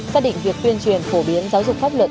xác định việc tuyên truyền phổ biến giáo dục pháp luật